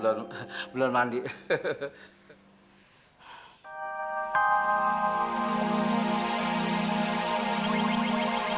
siap bor ketika internacional ada uang marketing